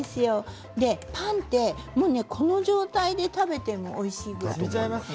パンってこの状態で食べてもおいしいから。